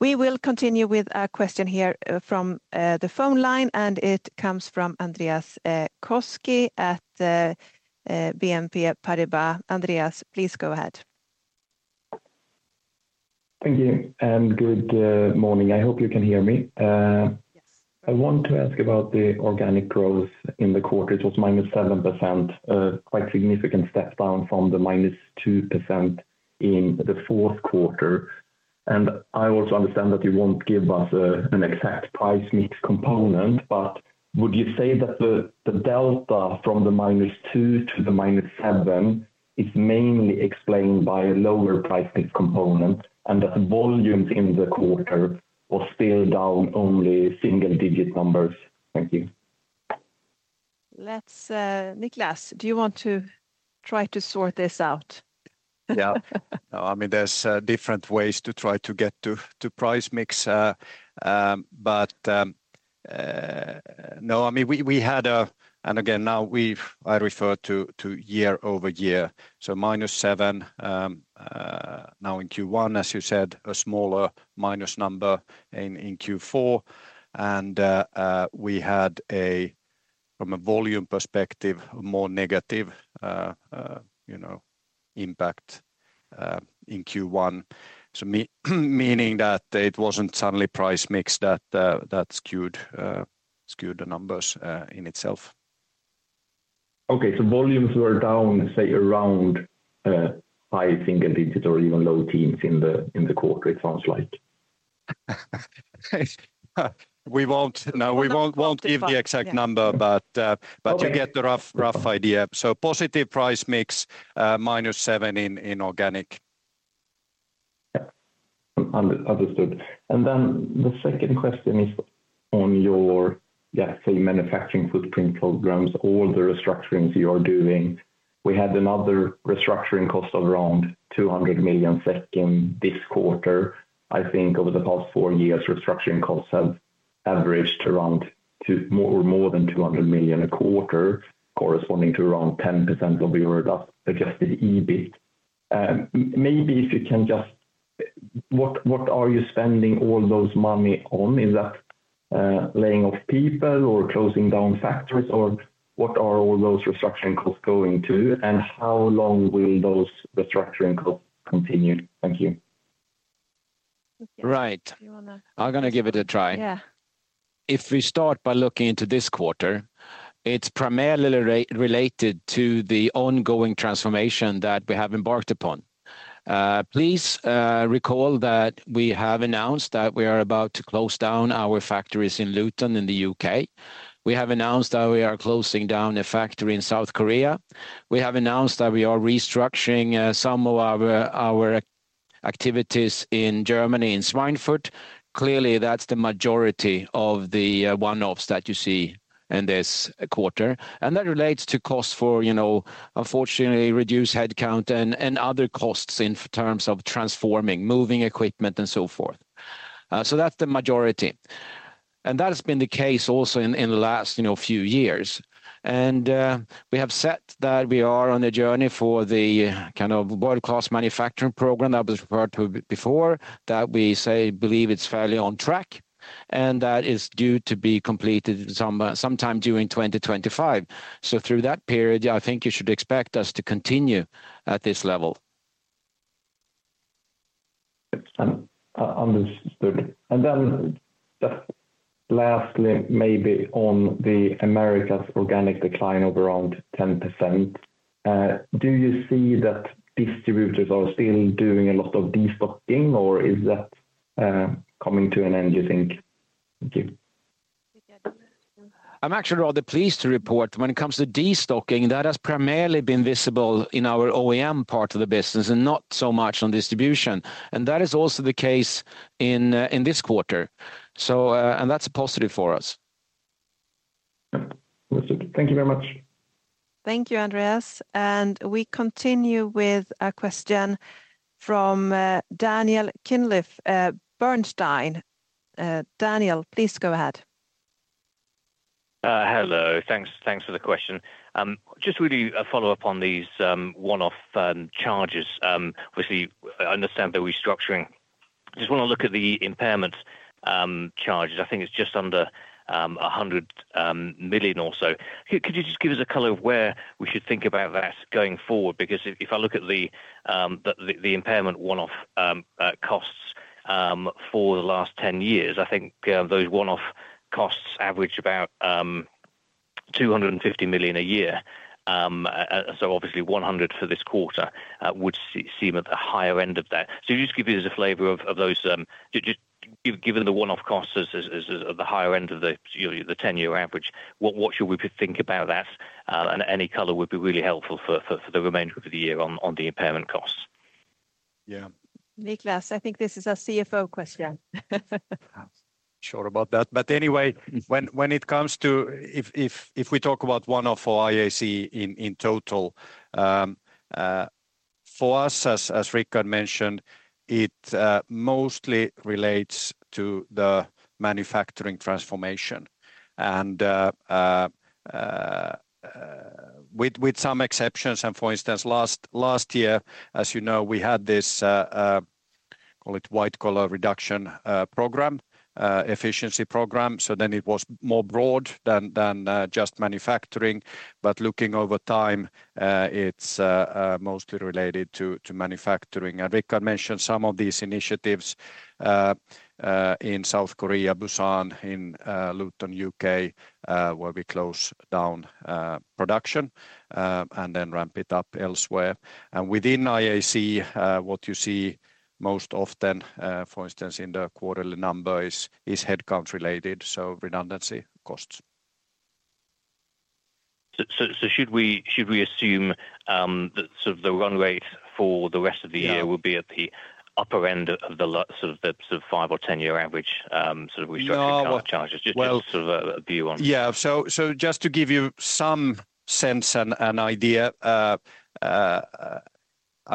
Speaker 1: We will continue with a question here from the phone line, and it comes from Andreas Koski at BNP Paribas. Andreas, please go ahead.
Speaker 9: Thank you, and good morning. I hope you can hear me.
Speaker 1: Yes.
Speaker 9: I want to ask about the organic growth in the quarter. It was -7%, quite significant step down from the -2% in the fourth quarter. And I also understand that you won't give us an exact price mix component, but would you say that the delta from the -2 to the -7 is mainly explained by a lower price mix component, and that the volumes in the quarter were still down only single-digit numbers? Thank you.
Speaker 1: Let's, Niclas, do you want to try to sort this out?
Speaker 3: Yeah. No, I mean, there's different ways to try to get to price mix, but no, I mean, we had— And again, I refer to year-over-year, so -7 now in Q1, as you said, a smaller minus number in Q4. And we had, from a volume perspective, a more negative, you know, impact in Q1. So meaning that it wasn't suddenly price mix that skewed the numbers in itself.
Speaker 9: Okay, so volumes were down, say, around five single digits or even low teens in the quarter, it sounds like?
Speaker 3: No, we won't give the exact number, but-
Speaker 9: Okay.
Speaker 3: But you get the rough, rough idea. So positive price mix, -7 in organic.
Speaker 9: Yeah. Understood. Then the second question is on your manufacturing footprint programs, all the restructurings you are doing. We had another restructuring cost of around 200 million SEK in this quarter. I think over the past four years, restructuring costs have averaged around more than 200 million a quarter, corresponding to around 10% of your adjusted EBIT. Maybe if you can just, what are you spending all those money on? Is that laying off people or closing down factories, or what are all those restructuring costs going to? And how long will those restructuring costs continue? Thank you.
Speaker 1: Yes, you want to-
Speaker 2: Right. I'm going to give it a try.
Speaker 1: Yeah.
Speaker 2: If we start by looking into this quarter, it's primarily related to the ongoing transformation that we have embarked upon. Please recall that we have announced that we are about to close down our factories in Luton, in the U.K. We have announced that we are closing down a factory in South Korea. We have announced that we are restructuring some of our activities in Germany, in Schweinfurt. Clearly, that's the majority of the one-offs that you see in this quarter, and that relates to costs for, you know, unfortunately, reduced headcount and other costs in terms of transforming, moving equipment, and so forth. So that's the majority, and that has been the case also in the last, you know, few years. And, we have said that we are on a journey for the kind of world-class manufacturing program that was referred to before, that we believe it's fairly on track, and that is due to be completed sometime during 2025. So through that period, I think you should expect us to continue at this level.
Speaker 9: Yes, understood. And then, lastly, maybe on the Americas organic decline of around 10%, do you see that distributors are still doing a lot of destocking, or is that coming to an end, do you think? Thank you.
Speaker 1: Okay, do you want to-
Speaker 2: I'm actually rather pleased to report when it comes to destocking, that has primarily been visible in our OEM part of the business and not so much on distribution, and that is also the case in, in this quarter. So, and that's a positive for us.
Speaker 9: Yeah. Understood. Thank you very much.
Speaker 1: Thank you, Andreas. We continue with a question from Daniel Cunliffe, Bernstein. Daniel, please go ahead.
Speaker 10: Hello, thanks, thanks for the question. Just really a follow-up on these one-off charges, which we understand the restructuring. Just want to look at the impairment charges. I think it's just under 100 million or so. Could you just give us a color of where we should think about that going forward? Because if I look at the impairment one-off costs for the last 10 years, I think those one-off costs average about 250 million a year. So obviously, 100 for this quarter would seem at the higher end of that. So just give me a flavor of those. Just given the one-off costs as the higher end of the, you know, the ten-year average, what should we be thinking about that? And any color would be really helpful for the remainder of the year on the impairment costs. Yeah.
Speaker 1: Niclas, I think this is a CFO question.
Speaker 3: Sure about that. But anyway, when it comes to... If we talk about one of our IAC in total, for us, as Rickard mentioned, it mostly relates to the manufacturing transformation and with some exceptions. And for instance, last year, as you know, we had this call it white collar reduction program, efficiency program. So then it was more broad than just manufacturing. But looking over time, it's mostly related to manufacturing. And Rickard mentioned some of these initiatives in South Korea, Busan, in Luton, U.K., where we close down production and then ramp it up elsewhere. And within IAC, what you see most often, for instance, in the quarterly number is headcount related, so redundancy costs.
Speaker 10: So, should we assume that sort of the run rate for the rest of the year?
Speaker 3: Yeah.
Speaker 10: Would be at the upper end of the latter sort of the 5- or 10-year average, sort of restructuring-
Speaker 3: Yeah....
Speaker 10: charges? Just sort of a view on-
Speaker 3: Yeah. So just to give you some sense and idea, I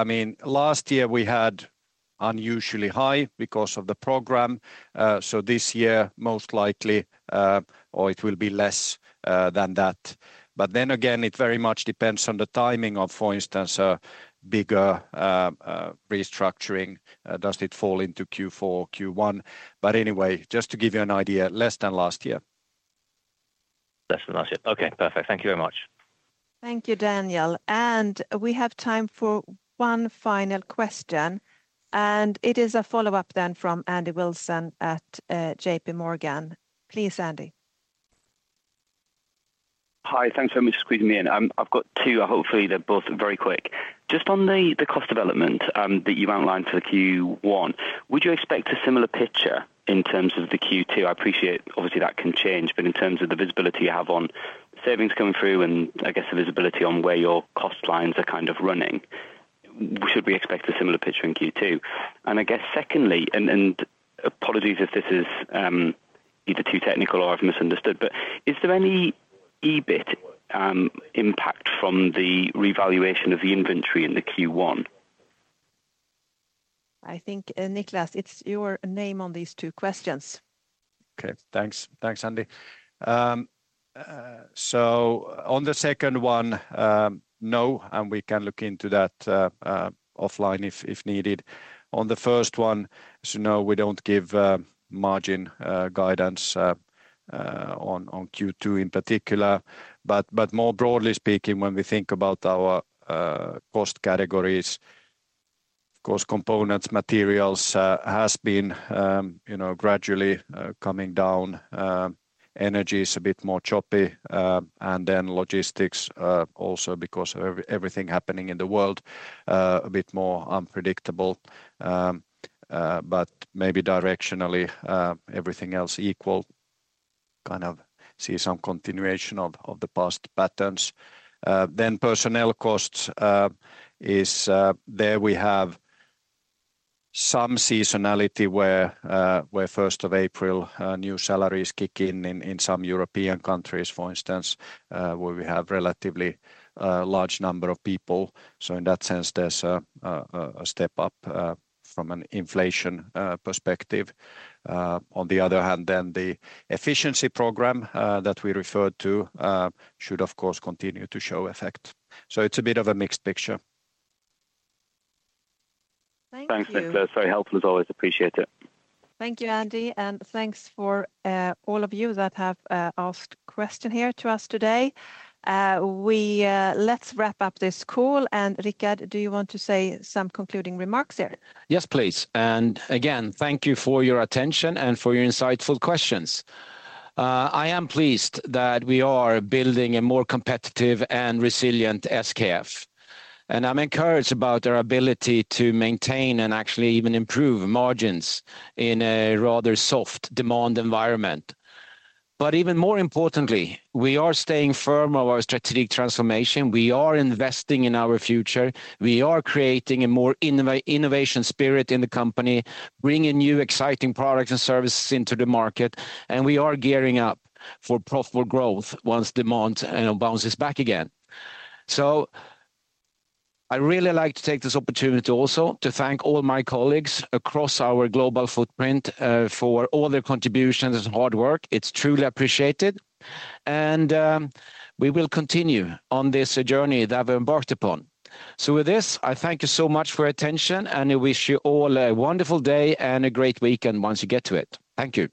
Speaker 3: mean, last year we had unusually high because of the program, so this year, most likely, or it will be less than that. But then again, it very much depends on the timing of, for instance, a bigger restructuring. Does it fall into Q4, Q1? But anyway, just to give you an idea, less than last year.
Speaker 10: That's about it. Okay, perfect. Thank you very much.
Speaker 1: Thank you, Daniel. And we have time for one final question, and it is a follow-up then from Andy Wilson at JPMorgan. Please, Andy.
Speaker 4: Hi, thanks very much for squeezing me in. I've got two, hopefully they're both very quick. Just on the cost development that you've outlined for the Q1, would you expect a similar picture in terms of the Q2? I appreciate obviously, that can change, but in terms of the visibility you have on savings coming through, and I guess the visibility on where your cost lines are kind of running, should we expect a similar picture in Q2? And I guess secondly, and apologies if this is either too technical or I've misunderstood, but is there any EBIT impact from the revaluation of the inventory in the Q1?
Speaker 1: I think, Niclas, it's your name on these two questions.
Speaker 3: Okay. Thanks. Thanks, Andy. So on the second one, no, and we can look into that, offline if needed. On the first one, so no, we don't give margin guidance on Q2 in particular. But more broadly speaking, when we think about our cost categories: of course, components, materials has been, you know, gradually coming down. Energy is a bit more choppy, and then logistics also because of everything happening in the world, a bit more unpredictable. But maybe directionally, everything else equal, kind of see some continuation of the past patterns. Then, personnel costs. There, we have some seasonality where the 1st of April new salaries kick in in some European countries, for instance, where we have relatively large number of people. So, in that sense, there's a step up from an inflation perspective. On the other hand, the efficiency program that we referred to should, of course, continue to show effect. So, it's a bit of a mixed picture.
Speaker 1: Thank you.
Speaker 4: Thanks, Niclas. Very helpful as always. Appreciate it.
Speaker 1: Thank you, Andy, and thanks for all of you that have asked question here to us today. Let's wrap up this call. Rickard, do you want to say some concluding remarks here?
Speaker 2: Yes, please. And again, thank you for your attention and for your insightful questions. I am pleased that we are building a more competitive and resilient SKF, and I'm encouraged about our ability to maintain and actually even improve margins in a rather soft demand environment. But even more importantly, we are staying firm on our strategic transformation. We are investing in our future. We are creating a more innovation spirit in the company, bringing new, exciting products and services into the market, and we are gearing up for profitable growth once demand, you know, bounces back again. So I'd really like to take this opportunity also to thank all my colleagues across our global footprint, for all their contributions and hard work. It's truly appreciated, and, we will continue on this journey that we've embarked upon. With this, I thank you so much for your attention, and I wish you all a wonderful day and a great weekend once you get to it. Thank you.